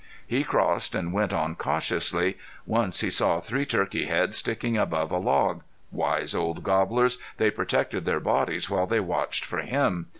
He crossed, and went on cautiously. Once he saw three turkey heads sticking above a log. Wise old gobblers! They protected their bodies while they watched for him.